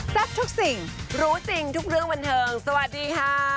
ทุกสิ่งรู้จริงทุกเรื่องบันเทิงสวัสดีค่ะ